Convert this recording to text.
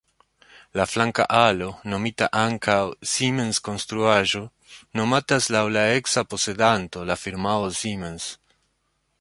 La flanka alo, nomita ankaŭ Siemens-konstruaĵo, nomatas laŭ la eksa posedanto, la firmao Siemens.